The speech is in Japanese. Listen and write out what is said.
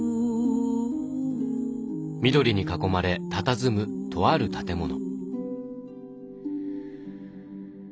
緑に囲まれたたずむとある建物。